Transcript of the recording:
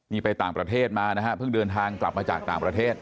นี่ไปต่างประเทศมานะฮะเพิ่งเดินทางกลับมาจากต่างประเทศ